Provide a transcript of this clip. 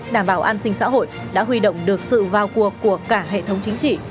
đảm bảo an sinh xã hội đã huy động được sự vào cuộc của cả hệ thống chính trị